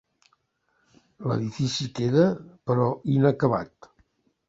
L'edifici queda, però, inacabat.